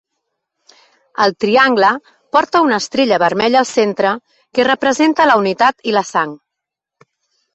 El triangle porta una estrella vermella al centre, que representa la unitat i la sang.